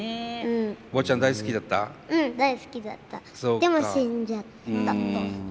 でも死んじゃったと。